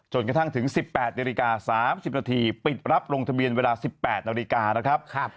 จนกระทั่งถึง๑๘นาฬิกา๓๐นาทีปิดรับลงทะเบียนเวลา๑๘นาฬิกานะครับ